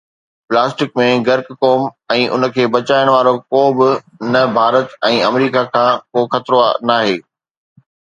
Plastic ۾ غرق قوم ۽ ان کي بچائڻ وارو ڪو به نه، ڀارت ۽ آمريڪا کان ڪو خطرو ناهي.